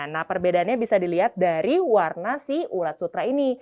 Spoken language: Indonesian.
nah perbedaannya bisa dilihat dari warna si ulat sutra ini